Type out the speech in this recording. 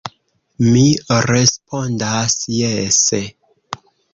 Mi respondas jese.